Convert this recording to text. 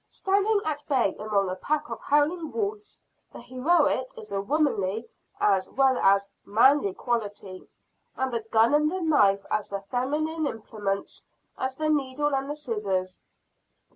Standing at bay, among a pack of howling wolves, the heroic is a womanly as well as manly quality; and the gun and the knife as feminine implements, as the needle and the scissors.